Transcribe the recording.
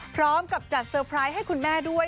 พร้อมกับจัดเซอร์ไพรส์ให้คุณแม่ด้วย